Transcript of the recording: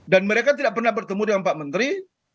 dan mereka tidak pernah bertemu dengan pak menteri